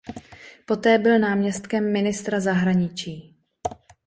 Poté byl náměstkem ministra zahraničí.